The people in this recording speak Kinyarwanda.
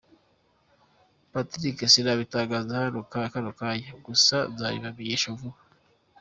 Patrick: Sinabitangaza kano kanya, gusa nzabibamenyesha vuba.